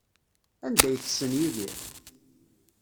Anda ay tessen Yidir?